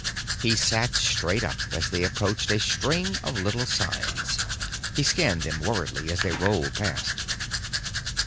He sat up straight as they approached a string of little signs. He scanned them worriedly as they rolled past.